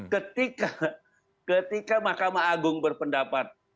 ketika mahkamah agung berpendapat